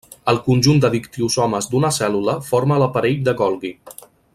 El conjunt de dictiosomes d'una cèl·lula forma l'aparell de Golgi.